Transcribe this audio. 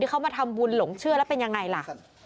เขามาทำบุญหลงเชื่อแล้วเป็นยังไงล่ะ